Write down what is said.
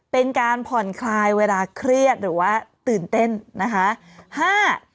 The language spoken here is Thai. เป็นการผ่อนคลายเวลาเครียดหรือว่าตื่นเต้นนะคะ